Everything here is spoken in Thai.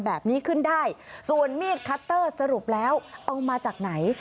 แบบนี้ขึ้นได้ส่วนมีดคัตเตอร์สรุปแล้วเอามาจากไหน